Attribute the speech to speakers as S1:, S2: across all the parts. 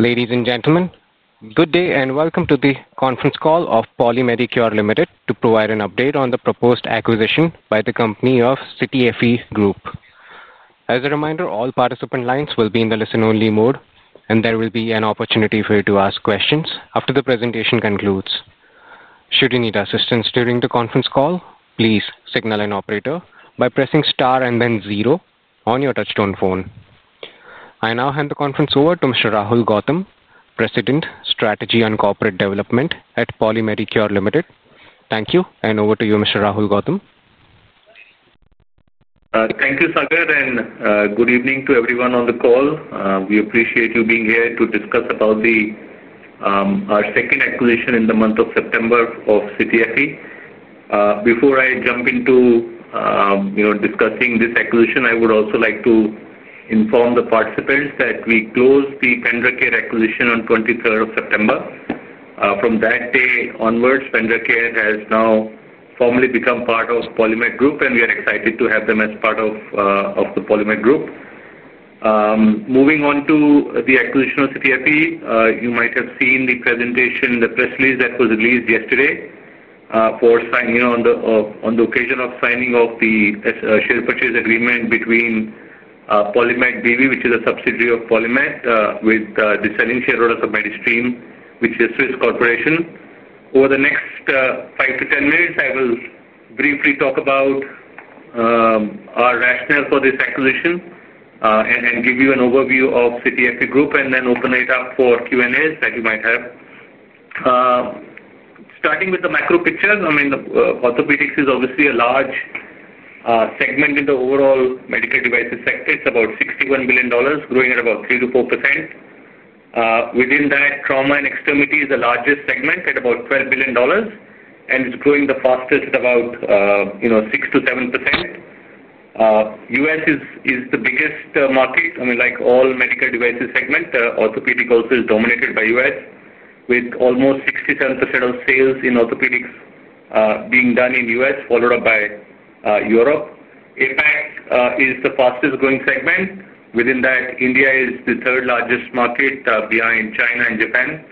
S1: Ladies and gentlemen, good day and welcome to the conference call of Poly Medicure Limited to provide an update on the proposed acquisition by the company of CTFE Group. As a reminder, all participant lines will be in the listen-only mode, and there will be an opportunity for you to ask questions after the presentation concludes. Should you need assistance during the conference call, please signal an operator by pressing star and then zero on your touch-tone phone. I now hand the conference over to Mr. Rahul Gautam, President, Strategy and Corporate Development at Poly Medicure Limited. Thank you, and over to you, Mr. Rahul Gautam.
S2: Thank you, Sagar, and good evening to everyone on the call. We appreciate you being here to discuss our second acquisition in the month of September of CTFE. Before I jump into discussing this acquisition, I would also like to inform the participants that we closed the PendraCare acquisition on 23rd of September. From that day onwards, PendraCare has now formally become part of PolyMed Group, and we are excited to have them as part of the PolyMed Group. Moving on to the acquisition of CTFE, you might have seen the presentation in the press release that was released yesterday on the occasion of signing of the share purchase agreement between PolyMed DB, which is a subsidiary of PolyMed, with the descending shareholder of MediStream, which is a Swiss corporation. Over the next 5 to 10 minutes, I will briefly talk about our rationale for this acquisition and give you an overview of CTFE Group, and then open it up for Q&As that you might have. Starting with the macro picture, I mean, orthopedics is obviously a large segment in the overall medical devices sector. It's about $61 billion, growing at about 3 to 4%. Within that, trauma and extremity is the largest segment at about $12 billion, and it's growing the fastest at about 6 to 7%. U.S. is the biggest market. I mean, like all medical devices segment, orthopedic also is dominated by U.S., with almost 67% of sales in orthopedics being done in the U.S., followed up by Europe. Impact is the fastest growing segment. Within that, India is the third largest market behind China and Japan.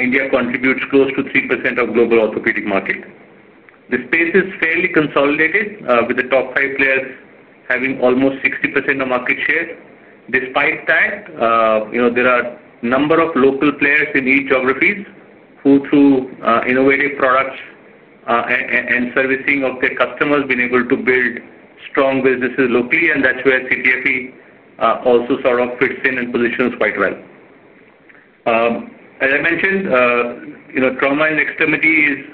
S2: India contributes close to 3% of the global orthopedic market. The space is fairly consolidated, with the top five players having almost 60% of market share. Despite that, you know there are a number of local players in each geography who, through innovative products and servicing of their customers, have been able to build strong businesses locally, and that's where CTFE also sort of fits in and positions quite well. As I mentioned, trauma and extremity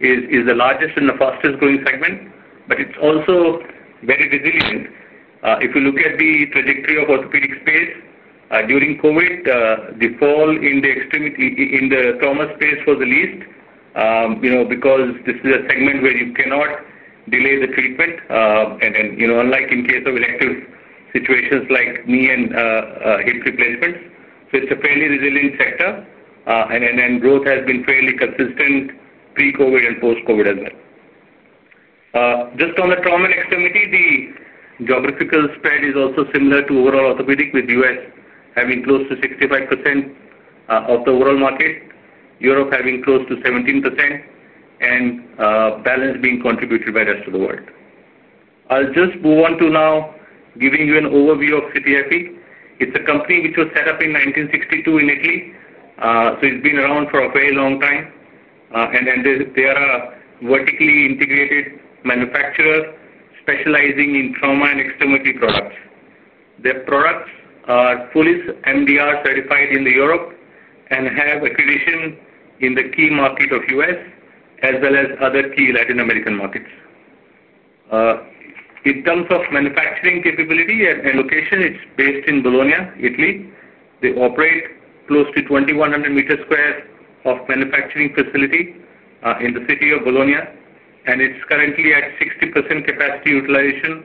S2: is the largest and the fastest growing segment, but it's also very resilient. If you look at the trajectory of orthopedic space, during COVID, the fall in the trauma space was the least because this is a segment where you cannot delay the treatment. Unlike in case of elective situations like knee and hip replacements, it's a fairly resilient sector, and growth has been fairly consistent pre-COVID and post-COVID as well. Just on the trauma and extremity, the geographical spread is also similar to overall orthopedics, with the U.S. having close to 65% of the overall market, Europe having close to 17%, and balance being contributed by the rest of the world. I'll just move on to now giving you an overview of CTFE. It's a company which was set up in 1962 in Italy, so it's been around for a very long time, and they are a vertically integrated manufacturer specializing in trauma and extremity products. Their products are fully MDR certified in Europe and have acquisitions in the key market of the U.S., as well as other key Latin American markets. In terms of manufacturing capability and location, it's based in Bologna, Italy. They operate close to 2,100 square meters of manufacturing facility in the city of Bologna, and it's currently at 60% capacity utilization.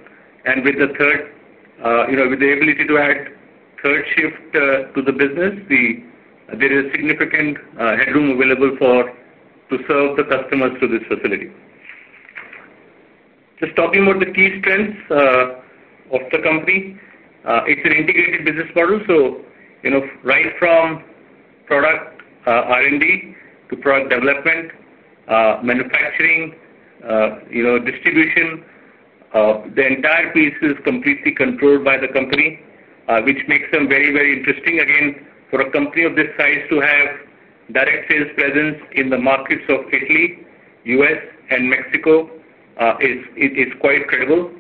S2: With the ability to add third shift to the business, there is significant headroom available to serve the customers through this facility. Just talking about the key strengths of the company, it's an integrated business model. Right from product R&D to product development, manufacturing, distribution, the entire piece is completely controlled by the company, which makes them very, very interesting. For a company of this size to have direct sales presence in the markets of Italy, U.S., and Mexico is quite credible.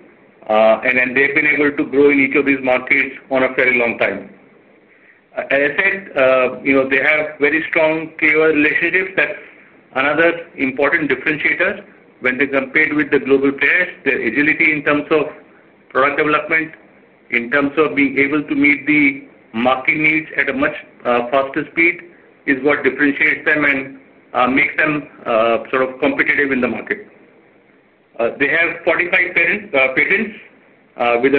S2: They've been able to grow in each of these markets for a very long time. As I said, they have very strong KOL relationships. That's another important differentiator when they compete with the global players. Their agility in terms of product development, in terms of being able to meet the market needs at a much faster speed is what differentiates them and makes them sort of competitive in the market. They have 45 patents with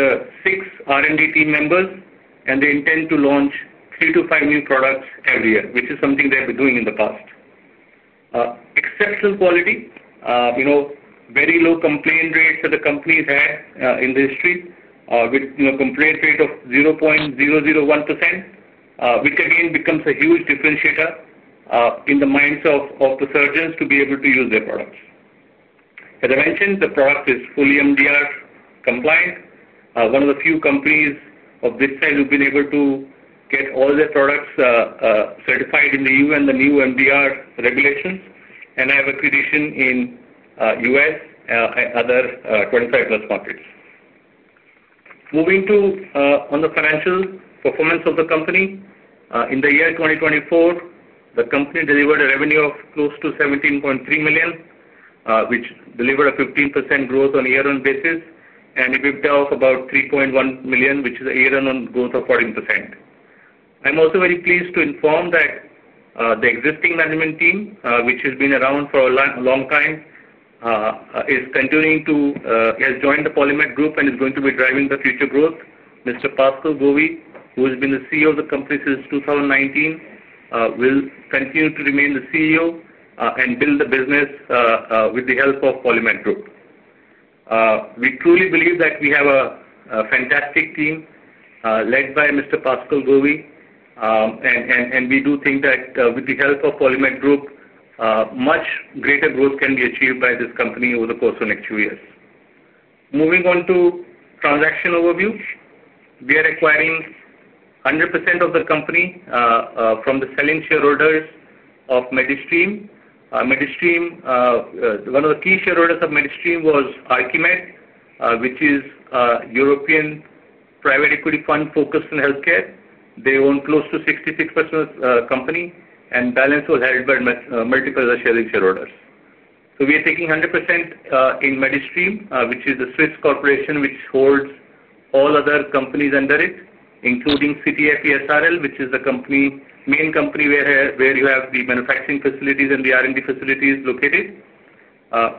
S2: six R&D team members, and they intend to launch three to five new products every year, which is something they have been doing in the past. Exceptional quality, very low complaint rates that the company has had in the history with a complaint rate of 0.001%, which again becomes a huge differentiator in the minds of the surgeons to be able to use their products. As I mentioned, the product is fully MDR compliant. One of the few companies of this size who've been able to get all their products certified in the EU and the new MDR regulations, and have acquisitions in the U.S. and other 25+ markets. Moving to on the financial performance of the company, in the year 2024, the company delivered a revenue of close to €17.3 million, which delivered a 15% growth on a year-end basis, and it went off about €3.1 million, which is a year-end growth of 14%. I'm also very pleased to inform that the existing management team, which has been around for a long time, is continuing to join the PolyMed Group and is going to be driving the future growth. Mr. Pascal Bovie, who has been the CEO of the company since 2019, will continue to remain the CEO and build the business with the help of PolyMed Group. We truly believe that we have a fantastic team led by Mr. Pascal Bovie, and we do think that with the help of PolyMed Group, much greater growth can be achieved by this company over the course of the next few years. Moving on to transaction overview, we are acquiring 100% of the company from the selling shareholders of MediStream. One of the key shareholders of MediStream was Arkimed, which is a European private equity fund focused on healthcare. They own close to 66% of the company, and balance was held by multiple other shareholders of MediStream. We are taking 100% in MediStream, which is the Swiss corporation which holds all other companies under it, including CTFE SRL, which is the main company where you have the manufacturing facilities and the R&D facilities located.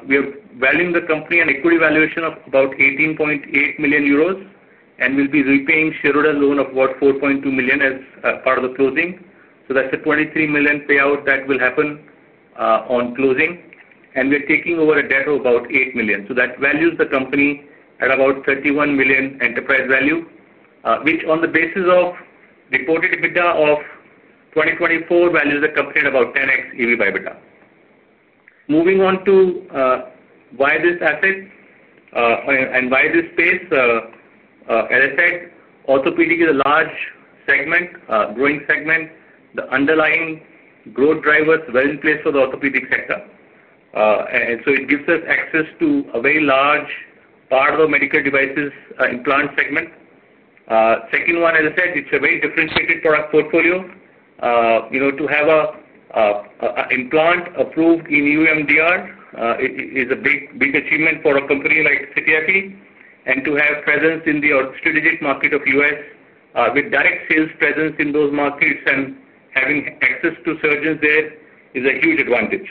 S2: We are valuing the company at an equity valuation of about €18.8 million and will be repaying shareholders' loan of about €4.2 million as part of the closing. That's a €23 million payout that will happen on closing, and we are taking over a debt of about €8 million. That values the company at about €31 million enterprise value, which on the basis of reported EBITDA of 2024 values the company at about 10x EBITDA. Moving on to why this happened and why this space, as I said, orthopedic is a large segment, growing segment. The underlying growth drivers are well in place for the orthopedic sector, and it gives us access to a very large part of the medical devices implant segment. Second one, as I said, it's a very differentiated product portfolio. You know, to have an implant approved in EU MDR is a big, big achievement for a company like CTFE, and to have presence in the strategic market of the U.S. with direct sales presence in those markets and having access to surgeons there is a huge advantage.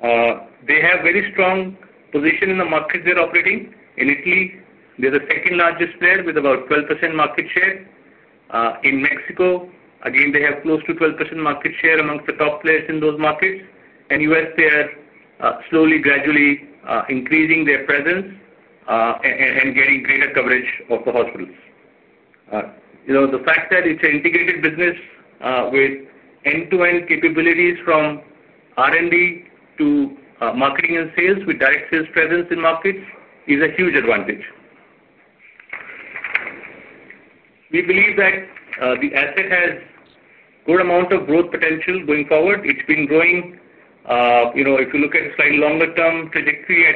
S2: They have a very strong position in the markets they're operating in. In Italy, they're the second largest player with about 12% market share. In Mexico, again, they have close to 12% market share amongst the top players in those markets, and U.S., they're slowly, gradually increasing their presence and getting greater coverage of the hospitals. The fact that it's an integrated business with end-to-end capabilities from R&D to marketing and sales with direct sales presence in markets is a huge advantage. We believe that the asset has a good amount of growth potential going forward. It's been growing, if you look at its longer-term trajectory,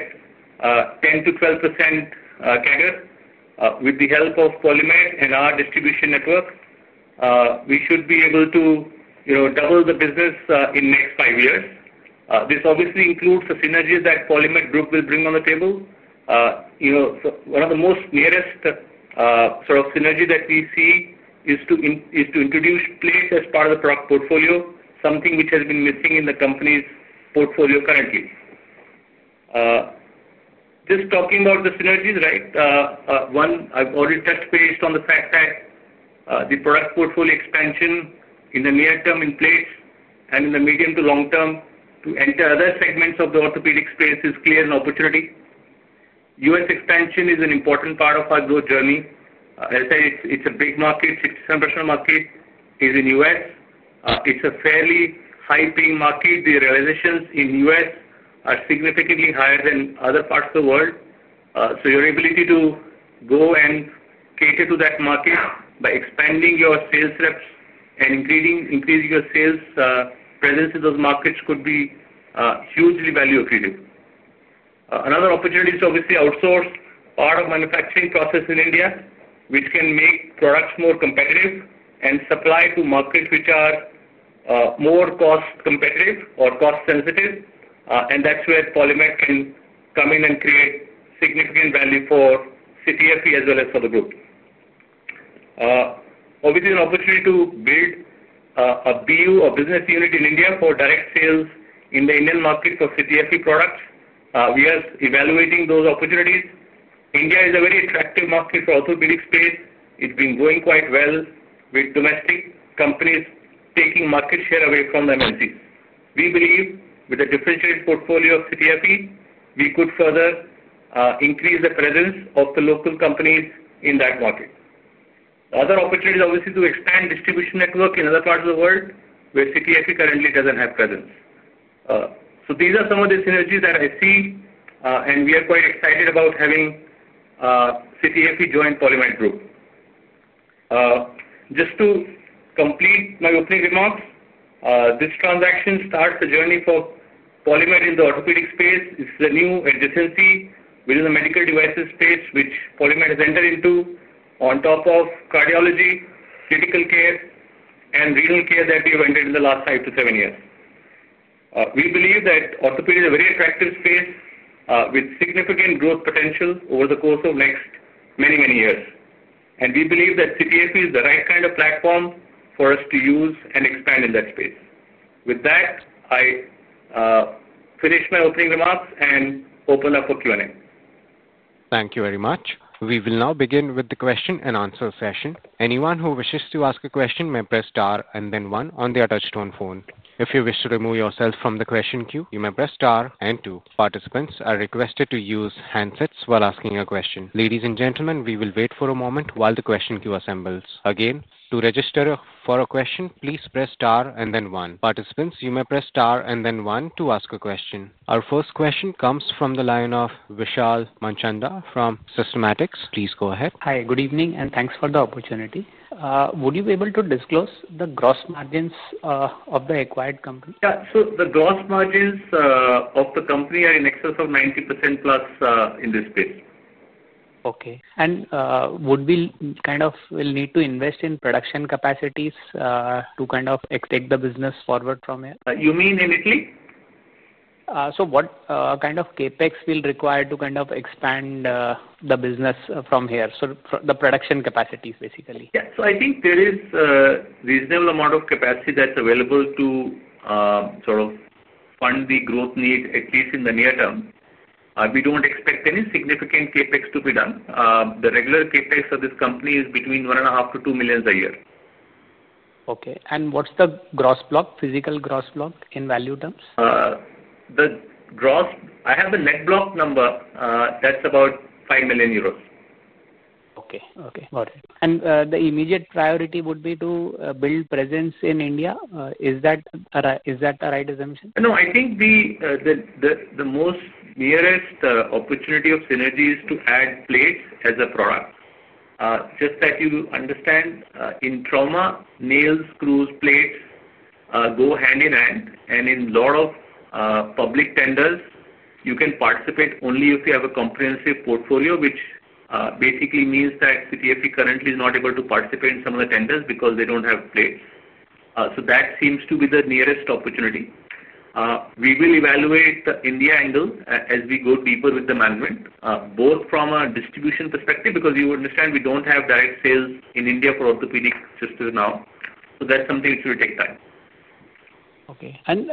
S2: at 10% to 12% together. With the help of Poly Medicure and our distribution network, we should be able to double the business in the next five years. This obviously includes the synergy that Poly Medicure Group will bring on the table. One of the most nearest sort of synergies that we see is to introduce plates as part of the product portfolio, something which has been missing in the company's portfolio currently. Just talking about the synergies, right? One, I've already touched base on the fact that the product portfolio expansion in the near term in plates and in the medium to long term to enter other segments of the orthopedic space is clearly an opportunity. U.S. expansion is an important part of our growth journey. As I said, it's a big market. 67% of the market is in the U.S. It's a fairly high-paying market. The realizations in the U.S. are significantly higher than other parts of the world. Your ability to go and cater to that market by expanding your sales reps and increasing your sales presence in those markets could be hugely value accretive. Another opportunity is to outsource part of the manufacturing process in India, which can make products more competitive and supply to markets which are more cost-competitive or cost-sensitive. That's where Poly Medicure can come in and create significant value for CTFE as well as for the group. Obviously, an opportunity to build a BU or business unit in India for direct sales in the Indian market for CTFE products. We are evaluating those opportunities. India is a very attractive market for orthopedic space. It's been going quite well with domestic companies taking market share away from the MNC. We believe with a differentiated portfolio of CTFE, we could further increase the presence of the local companies in that market. Other opportunities are obviously to expand distribution network in other parts of the world where CTFE currently doesn't have presence. These are some of the synergies that I see, and we are quite excited about having CTFE join PolyMed Group. Just to complete my opening remarks, this transaction starts a journey for PolyMed in the orthopedic space. It's the new addition within the medical devices space which PolyMed has entered into on top of cardiology, critical care, and renal care that we've entered in the last five to seven years. We believe that orthopedics is a very attractive space with significant growth potential over the course of the next many, many years, and we believe that CTFE is the right kind of platform for us to use and expand in that space. With that, I finish my opening remarks and open up for Q&A.
S1: Thank you very much. We will now begin with the question and answer session. Anyone who wishes to ask a question may press star and then one on their touch-tone phone. If you wish to remove yourself from the question queue, you may press star and then two. Participants are requested to use handsets while asking a question. Ladies and gentlemen, we will wait for a moment while the question queue assembles. Again, to register for a question, please press star and then one. Participants, you may press star and then one to ask a question. Our first question comes from the line of Vishal Manchanda from Systematics. Please go ahead.
S3: Hi, good evening, and thanks for the opportunity. Would you be able to disclose the gross margins of the acquired company?
S2: Yeah, sure. The gross margins of the company are in excess of 90% in this space. Okay, would we kind of need to invest in production capacities to kind of take the business forward from here? You mean in Italy? What kind of capex will require to kind of expand the business from here? The production capacities, basically. Yeah, I think there is a reasonable amount of capacity that's available to sort of fund the growth needs, at least in the near term. We don't expect any significant CapEx to be done. The regular CapEx for this company is between $1.5 million to $2 million a year. Okay, what's the gross block, physical gross block in value terms? I have a net block number that's about €5 million. Okay, got it. The immediate priority would be to build presence in India. Is that a right assumption? No, I think the most nearest opportunity of synergy is to add plates as a product. Just that you understand, in trauma, nails, screws, plates go hand in hand, and in a lot of public tenders, you can participate only if you have a comprehensive portfolio, which basically means that CTFE currently is not able to participate in some of the tenders because they don't have plates. That seems to be the nearest opportunity. We will evaluate the India angle as we go deeper with the management, both from a distribution perspective, because you understand we don't have direct sales in India for orthopedics just till now. That's something which will take time. Okay, and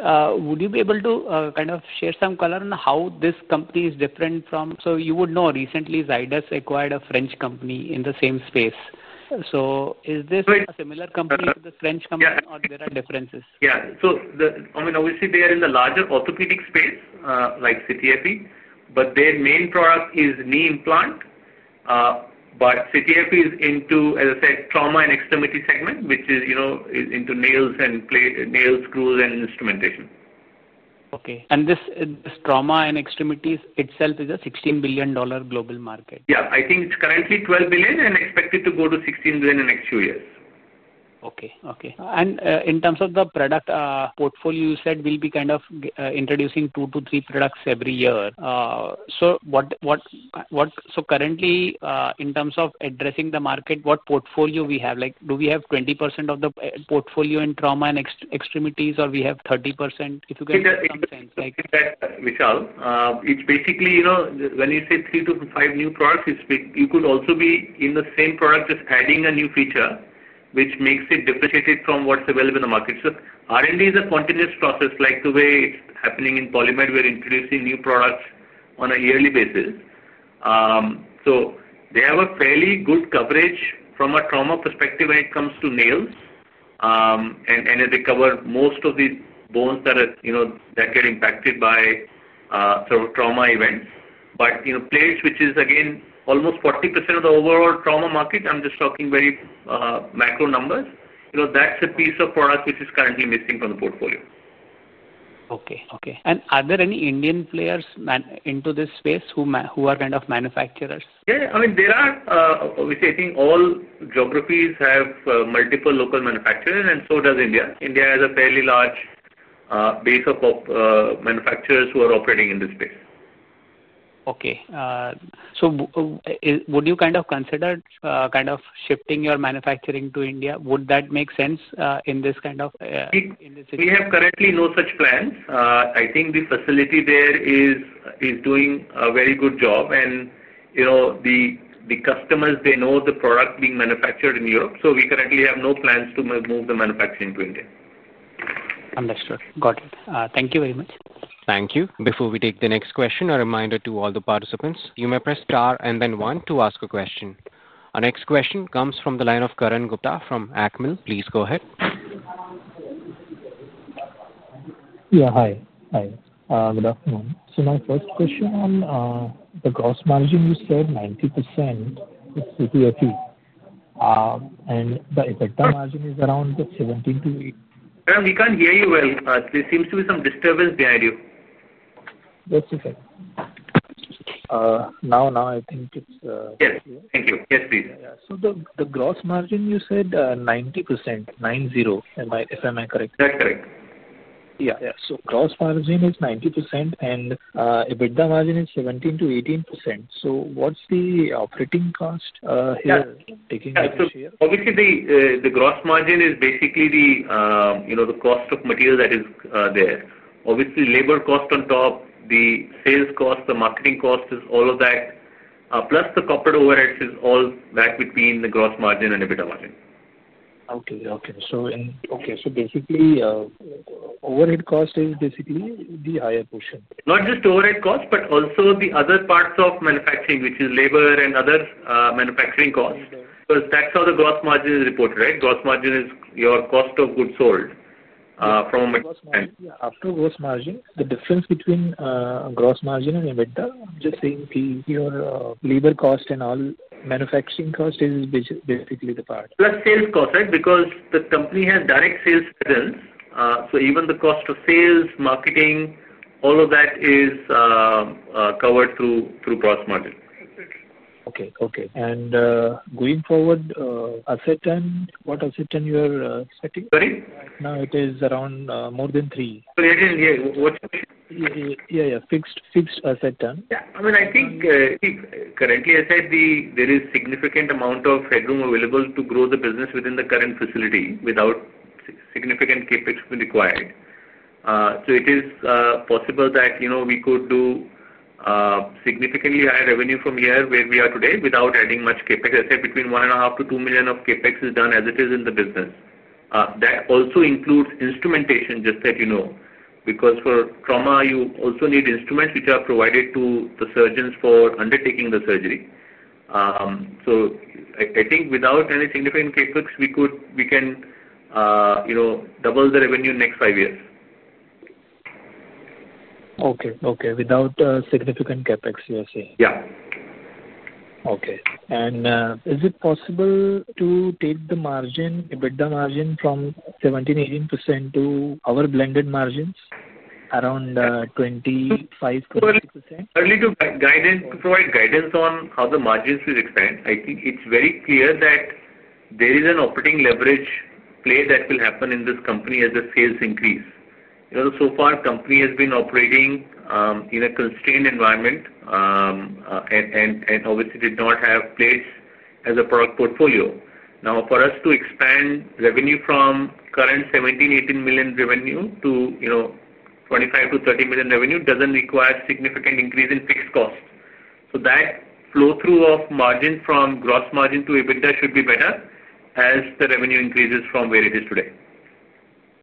S2: would you be able to kind of share some color on how this company is different from, you would know recently Zydus acquired a French company in the same space. Is this a similar company to the French company, or are there differences? Yeah, so I mean, obviously they are in the larger orthopedic space like CTFE, but their main product is knee implants. CTFE is into, as I said, orthopedic trauma and extremity segment, which is, you know, into nails, screws, and instrumentation. Okay, and this trauma and extremity itself is a $16 billion global market. Yeah, I think it's currently $12 billion and expected to go to $16 billion in the next few years. Okay, okay, in terms of the product portfolio, you said we'll be kind of introducing two to three products every year. Currently, in terms of addressing the market, what portfolio do we have? Like, do we have 20% of the portfolio in trauma and extremities, or we have 30%? If you can give some sense. Vishal, it's basically, you know, when you say three to five new products, you could also be in the same product just adding a new feature, which makes it differentiated from what's available in the market. R&D is a continuous process, like the way it's happening in Poly Medicure. We're introducing new products on a yearly basis. They have a fairly good coverage from a trauma perspective when it comes to nails, and they cover most of the bones that are, you know, that get impacted by trauma events. Plates, which is again almost 40% of the overall trauma market, I'm just talking very macro numbers, that's a piece of product which is currently missing from the portfolio. Okay, are there any Indian players into this space who are kind of manufacturers? Yeah, I mean, obviously, I think all geographies have multiple local manufacturers, and so does India. India has a fairly large base of manufacturers who are operating in this space. Okay, would you consider shifting your manufacturing to India? Would that make sense in this? We have currently no such plan. I think the facility there is doing a very good job, and the customers, they know the product being manufactured in Europe. We currently have no plans to move the manufacturing to India.
S3: Understood, got it. Thank you very much.
S1: Thank you. Before we take the next question, a reminder to all the participants, you may press star and then one to ask a question. Our next question comes from the line of Karan Gupta from Acmil. Please go ahead.
S4: Yeah, hi. Hi, good afternoon. My first question on the gross margin, you said 90% is CTFE, and the effective margin is around 17%.
S2: Karan, we can't hear you well. There seems to be some disturbance behind you.
S4: That's okay. Now I think it's.
S2: Thank you. Yes, please.
S4: Yeah, yeah. The gross margin, you said 90%, nine zero, if I'm correct? That's correct. Yeah, yeah. Gross margin is 90%, and EBITDA margin is 17 to 18%. What's the operating cost here?
S2: Obviously, the gross margin is basically the cost of material that is there. Obviously, labor cost on top, the sales cost, the marketing cost is all of that. Plus, the corporate overheads is all back between the gross margin and EBITDA margin.
S4: Okay. Basically, overhead cost is basically the higher portion. Not just overhead cost, but also the other parts of manufacturing, which is labor and other manufacturing costs, because that's how the gross margin is reported, right? Gross margin is your cost of goods sold.
S2: Gross margin, yeah. After gross margin, the difference between gross margin and EBITDA, I'm just saying your labor cost and all manufacturing cost is basically the part. Plus sales cost, right? Because the company has direct sales still. Even the cost of sales, marketing, all of that is covered through gross margin.
S4: Okay. Okay. Going forward, asset turn, what asset turn you're expecting?
S2: Sorry?
S4: Right now, it is around more than 3.
S2: Sorry, I didn't hear.
S4: Yeah, fixed asset turn.
S2: Yeah, I mean, I think currently, as I said, there is a significant amount of headroom available to grow the business within the current facility without significant CapEx being required. It is possible that, you know, we could do significantly higher revenue from here where we are today without adding much CapEx. As I said, between $1.5 million and $2 million of CapEx is done as it is in the business. That also includes instrumentation, just that you know, because for trauma, you also need instruments which are provided to the surgeons for undertaking the surgery. I think without any significant CapEx, we could, we can, you know, double the revenue in the next five years.
S4: Okay. Without significant capex, you're saying?
S2: Yeah.
S4: Okay. Is it possible to take the EBITDA margin from 17, 18% to our blended margins around 25%?
S2: Probably to provide guidance on how the margins will expand. I think it's very clear that there is an operating leverage play that will happen in this company as the sales increase. So far, the company has been operating in a constrained environment and obviously did not have plates as a product portfolio. Now, for us to expand revenue from current $17 million, $18 million revenue to $25 million to $30 million revenue doesn't require a significant increase in fixed cost. That flow-through of margin from gross margin to EBITDA should be better as the revenue increases from where it is today.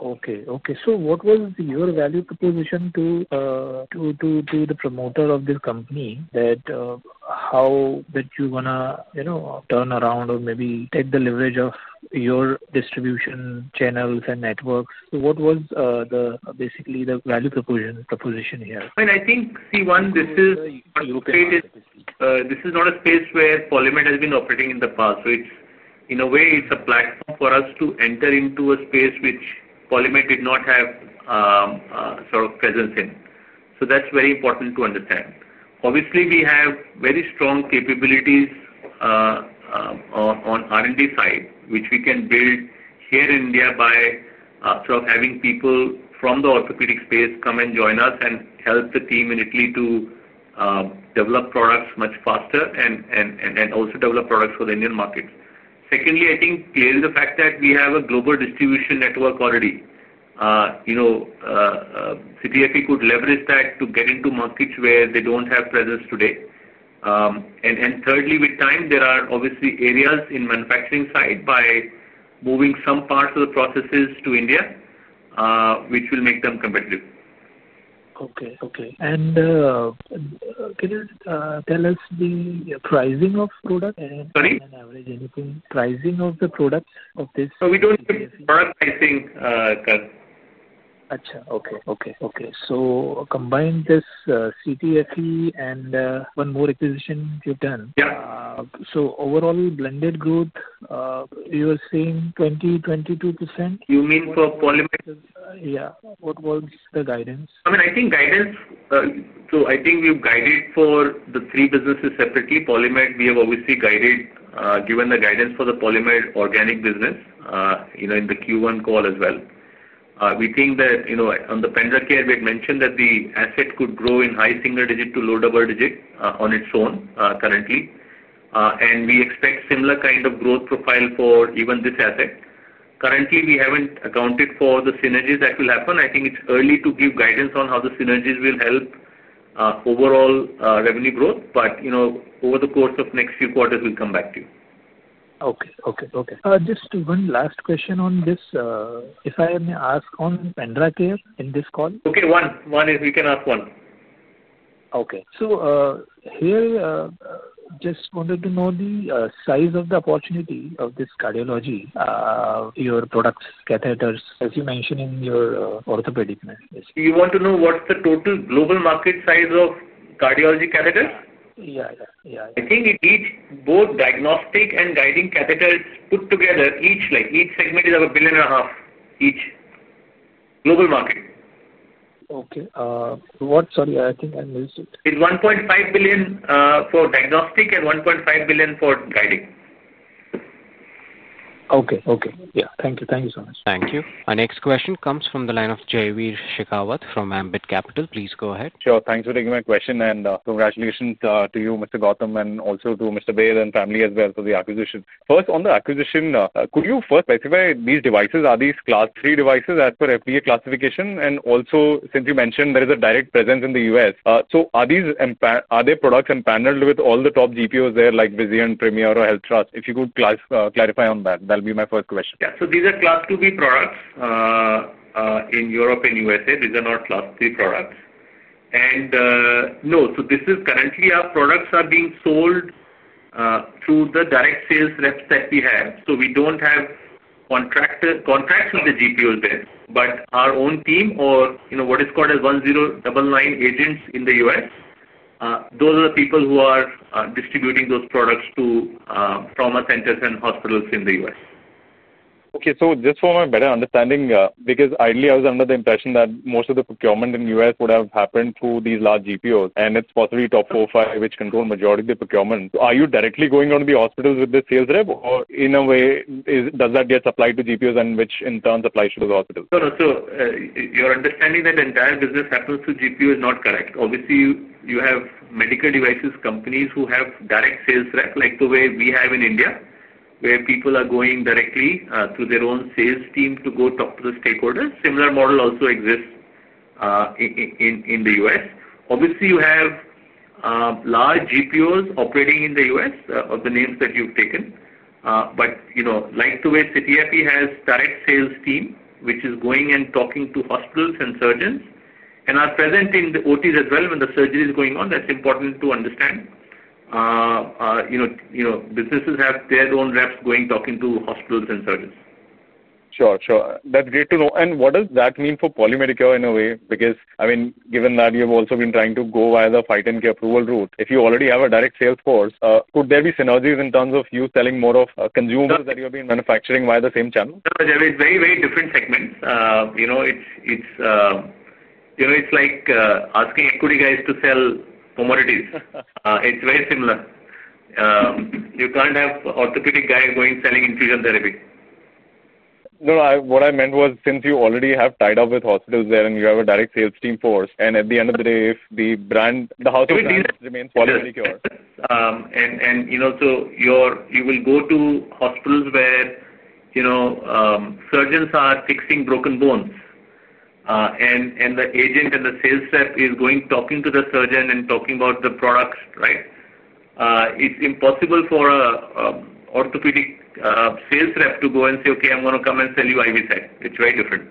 S4: Okay. What was your value proposition to the promoter of this company, that you want to, you know, turn around or maybe take the leverage of your distribution channels and networks? What was basically the value proposition here?
S2: I mean, I think, see, one, this is, you know, this is not a space where Poly Medicure has been operating in the past. It's, in a way, it's a plan for us to enter into a space which Poly Medicure did not have, sort of presence in. That's very important to understand. Obviously, we have very strong capabilities on the R&D side, which we can build here in India by having people from the orthopedic space come and join us and help the team in Italy to develop products much faster and also develop products for the Indian markets. Secondly, I think clearly the fact that we have a global distribution network already, CTFE could leverage that to get into markets where they don't have presence today. Thirdly, with time, there are obviously areas in the manufacturing side by moving some parts of the processes to India, which will make them competitive.
S4: Okay. Can you tell us the pricing of products and average pricing of the products of this?
S2: We don't have a product pricing term. Okay.
S4: So combine this CTFE and one more acquisition you've done.
S2: Yeah.
S4: Overall, blended growth, you were saying 20, 22%. You mean for PolyMed? Yeah, what was the guidance?
S2: I mean, I think guidance, so I think we've guided for the three businesses separately. Poly Medicure, we have obviously guided, given the guidance for the Poly Medicure organic business, you know, in the Q1 call as well. We think that, you know, on the PendraCare, we had mentioned that the asset could grow in high single digit to low double digit on its own, currently. We expect a similar kind of growth profile for even this asset. Currently, we haven't accounted for the synergies that will happen. I think it's early to give guidance on how the synergies will help, overall, revenue growth. Over the course of the next few quarters, we'll come back to you. Okay, just one last question on this. If I may ask on PendraCare in this call.
S4: Okay, one. One, if you can ask one.
S2: Okay, just wanted to know the size of the opportunity of this cardiology, your products, catheters, as you mentioned in your orthopedics.
S4: You want to know what the total global market size of cardiology catheters is?
S2: Yeah, yeah, yeah.
S4: I think it needs both diagnostic and guiding catheters put together. Each segment is over $1.5 billion each global market. Okay. What? Sorry, I think I missed it.
S2: It's $1.5 billion for diagnostic and $1.5 billion for guiding.
S4: Okay. Thank you. Thank you so much.
S1: Thank you. Our next question comes from the line of Jayavir Shekhawat from Ambit Capital. Please go ahead.
S5: Sure. Thanks for taking my question, and congratulations to you, Mr. Gautam, and also to Mr. Baid and family as well for the acquisition. First, on the acquisition, could you first specify these devices? Are these Class III devices as per FDA classification? Also, since you mentioned there is a direct presence in the U.S., are their products paneled with all the top GPOs there, like Vizient, Premier, or HealthTrust? If you could clarify on that, that'll be my first question.
S2: Yeah, so these are class IIb products in Europe and the U.S. These are not class III products. No, this is currently our products are being sold through the direct sales reps that we have. We don't have contracts with the GPOs there, but our own team or, you know, what is called as 1099 agents in the U.S., those are the people who are distributing those products to trauma centers and hospitals in the U.S.
S5: Okay, just for my better understanding, because ideally, I was under the impression that most of the procurement in the U.S. would have happened through these large GPOs, and it's possibly top four or five, which control the majority of the procurement. Are you directly going onto the hospitals with the sales rep, or in a way, does that get supplied to GPOs, which in turn supplies to the hospitals?
S2: Your understanding that the entire business happens through GPO is not correct. Obviously, you have medical devices companies who have direct sales reps, like the way we have in India, where people are going directly through their own sales team to go talk to the stakeholders. A similar model also exists in the U.S. Obviously, you have large GPOs operating in the U.S. of the names that you've taken, but, you know, like the way CTFE has a direct sales team, which is going and talking to hospitals and surgeons and are present in the OTs as well when the surgery is going on, that's important to understand. You know, businesses have their own reps going talking to hospitals and surgeons.
S5: Sure, that's great to know. What does that mean for Poly Medicure in a way? I mean, given that you've also been trying to go via the fight and kill approval route, if you already have a direct sales force, could there be synergies in terms of you selling more of consumables that you're manufacturing via the same channel?
S2: No, I mean, it's very, very different segments. It's like asking equity guys to sell commodities. It's very similar. You can't have an orthopedic guy going selling infusion therapy. No, what I meant was since you already have tied up with hospitals there and you have a direct sales team force, and at the end of the day, if the brand, the house of the brand remains Poly Medicure. You will go to hospitals where surgeons are fixing broken bones, and the agent and the sales rep is going talking to the surgeon and talking about the products, right? It's impossible for an orthopedic sales rep to go and say, "Okay, I'm going to come and sell you IV site." It's very different.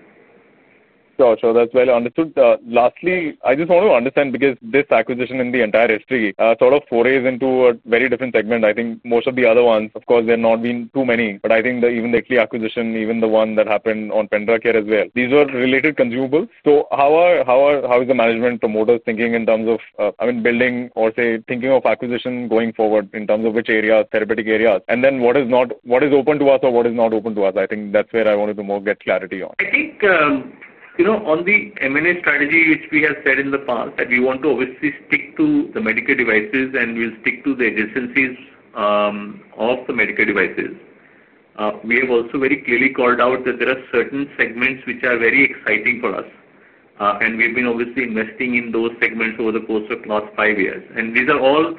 S5: Sure, that's well understood. Lastly, I just want to understand because this acquisition in the entire history sort of forays into a very different segment. I think most of the other ones, of course, there have not been too many, but I think that even the actual acquisition, even the one that happened on PendraCare as well, these are related consumables. How is the management promoter thinking in terms of, I mean, building or say thinking of acquisition going forward in terms of which areas, therapeutic areas, and then what is not, what is open to us or what is not open to us? I think that's where I wanted to more get clarity on.
S2: I think, you know, on the M&A strategy, which we have said in the past, that we want to obviously stick to the medical devices and we'll stick to the existencies of the medical devices. We have also very clearly called out that there are certain segments which are very exciting for us, and we've been obviously investing in those segments over the course of the last five years. These are all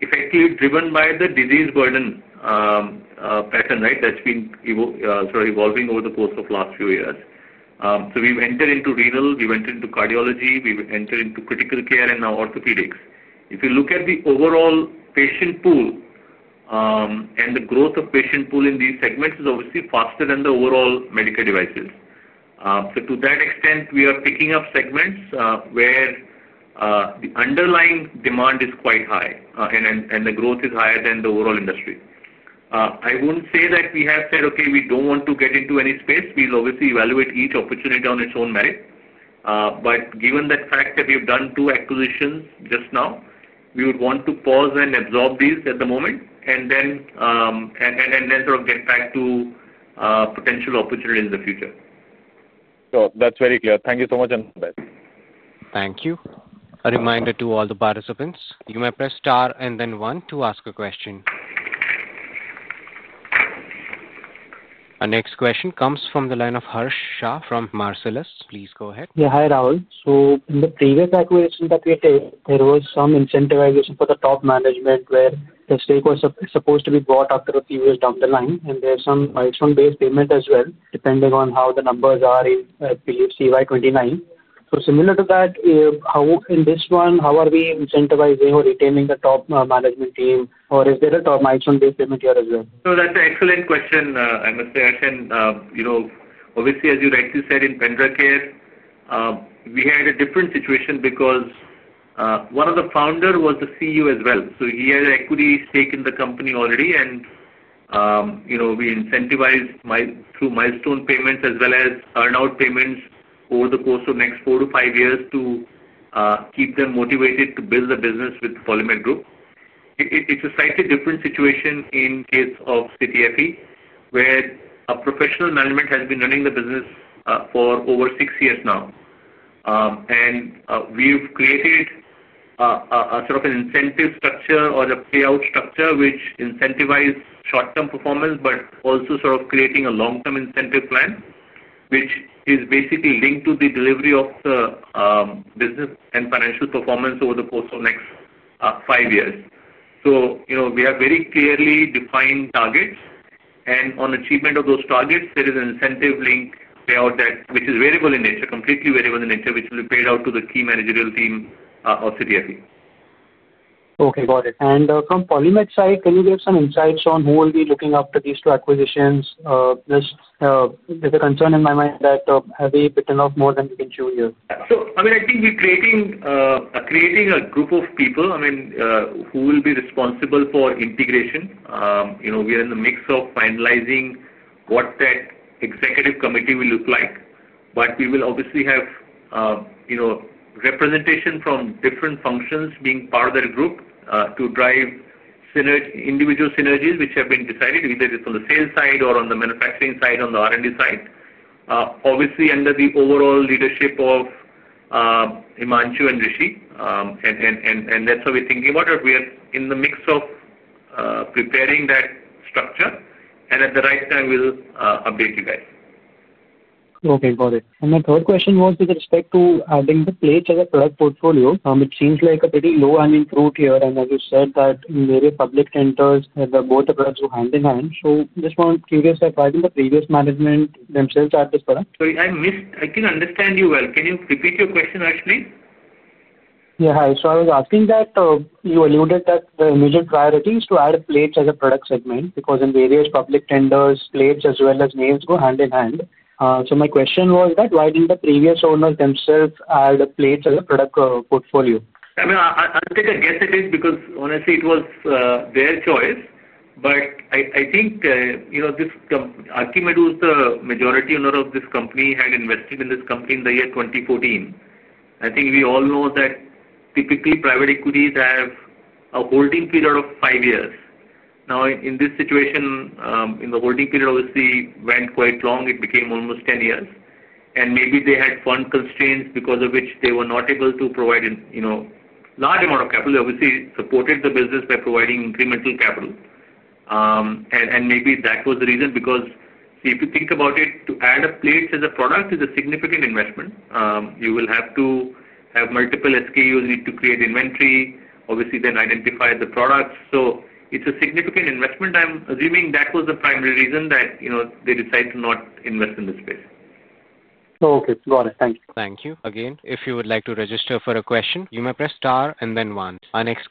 S2: effectively driven by the disease burden pattern, right, that's been sort of evolving over the course of the last few years. We've entered into renal, we've entered into cardiology, we've entered into critical care, and now orthopedics. If you look at the overall patient pool, the growth of patient pool in these segments is obviously faster than the overall medical devices. To that extent, we are picking up segments where the underlying demand is quite high and the growth is higher than the overall industry. I won't say that we have said, "Okay, we don't want to get into any space." We'll obviously evaluate each opportunity on its own merit. Given the fact that we've done two acquisitions just now, we would want to pause and absorb these at the moment and then sort of get back to potential opportunities in the future.
S5: Sure. That's very clear. Thank you so much, Ainav.
S1: Thank you. A reminder to all the participants, you may press star and then one to ask a question. Our next question comes from the line of Harsh Shah from Marcellus. Please go ahead.
S6: Yeah, hi, Rahul. In the previous acquisition that we had taken, there was some incentivization for the top management where the stakeholders are supposed to be bought after the previous down the line, and there's some milestone-based payment as well, depending on how the numbers are in CY2029. Similar to that, in this one, how are we incentivizing or retaining the top management team, or is there a top milestone-based payment here as well?
S2: That's an excellent question, Amitayash. Obviously, as you rightly said, in PendraCare, we had a different situation because one of the founders was the CEO as well. He had an equity stake in the company already, and we incentivized through milestone payments as well as earnout payments over the course of the next four to five years to keep them motivated to build the business with the PolyMed Group. It's a slightly different situation in the case of CTFE, where a professional management has been running the business for over six years now. We've created a sort of incentive structure or a payout structure which incentivizes short-term performance, but also sort of creates a long-term incentive plan, which is basically linked to the delivery of the business and financial performance over the course of the next five years. We have very clearly defined targets, and on achievement of those targets, there is an incentive-linked payout that is variable in nature, completely variable in nature, which will be paid out to the key managerial team of CTFE.
S6: Okay, got it. From PolyMed side, can you give some insights on who will be looking after these two acquisitions? There's a concern in my mind that have we bitten off more than we can chew here.
S2: I think we're creating a group of people who will be responsible for integration. We are in the midst of finalizing what that executive committee will look like. We will obviously have representation from different functions being part of that group to drive individual synergies which have been decided, either it's on the sales side or on the manufacturing side, on the R&D side, obviously under the overall leadership of Himanshu and Rishi. That's what we're thinking about. We are in the midst of preparing that structure, and at the right time, we'll update you guys.
S6: Okay, got it. My third question was with respect to adding the plates as a product portfolio, which seems like a pretty low-hanging fruit here. As you said, in various public tenders, both the products go hand in hand. I just want to be curious why didn't the previous management themselves add this product?
S2: Sorry, I didn't understand you well. Can you repeat your question, actually?
S6: Yeah, hi. I was asking that you alluded that the initial priority is to add plates as a product segment because in various public tenders, plates as well as nails go hand in hand. My question was why didn't the previous owners themselves add plates as a product portfolio?
S2: I mean, I think it is because honestly, it was their choice. I think, you know, this Arkimed, the majority owner of this company, had invested in this company in the year 2014. I think we all know that typically private equities have a holding period of five years. In this situation, the holding period obviously went quite long. It became almost 10 years. Maybe they had fund constraints because of which they were not able to provide, you know, a large amount of capital. They obviously supported the business by providing incremental capital. Maybe that was the reason because if you think about it, to add a plate as a product is a significant investment. You will have to have multiple SKUs, need to create inventory, obviously then identify the products. It is a significant investment. I'm assuming that was the primary reason that, you know, they decided to not invest in this space.
S6: Oh, okay. Got it. Thank you.
S1: Thank you. Again, if you would like to register for a question, you may press star and then one. Our next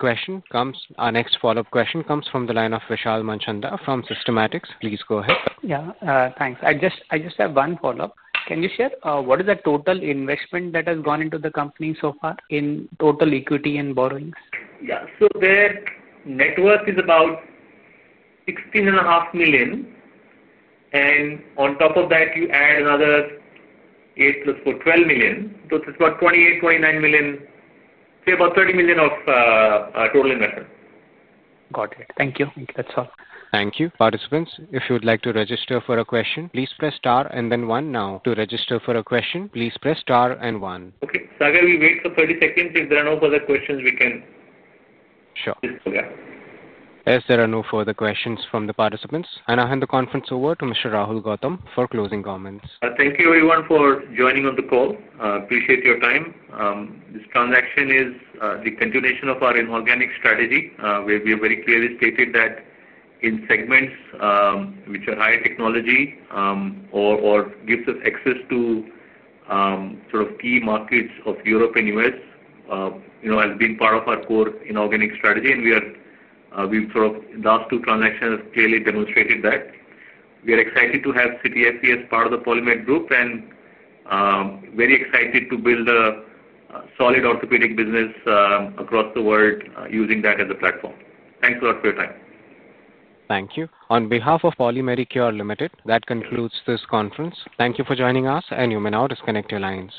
S1: follow-up question comes from the line of Vishal Manchanda from Systematics. Please go ahead.
S3: Yeah, thanks. I just have one follow-up. Can you share what is the total investment that has gone into the company so far in total equity and borrowings?
S2: Yeah, so their net worth is about $16.5 million. On top of that, you add another $8 million plus $4 million, $12 million. It's about $28 million, $29 million, say about $30 million of total investment.
S3: Got it. Thank you. That's all.
S1: Thank you. Participants, if you would like to register for a question, please press star and then one now. To register for a question, please press star and one.
S2: Raghu, we wait for 30 seconds. If there are no further questions, we can.
S1: Sure.
S2: Yeah.
S1: If there are no further questions from the participants, I now hand the conference over to Mr. Rahul Gautam for closing comments.
S2: Thank you, everyone, for joining on the call. Appreciate your time. This transaction is the continuation of our inorganic strategy, where we have very clearly stated that in segments which are high technology or gives us access to sort of key markets of Europe and U.S., as being part of our core inorganic strategy. We have, in the last two transactions, clearly demonstrated that. We are excited to have CTFE as part of the Poly Medicure Group and very excited to build a solid orthopedic business across the world using that as a platform. Thanks a lot for your time.
S1: Thank you. On behalf of Poly Medicure Limited, that concludes this conference. Thank you for joining us, and you may now disconnect your lines.